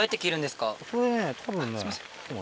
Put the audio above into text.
すいません。